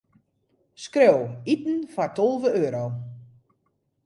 Skriuw: iten foar tolve euro.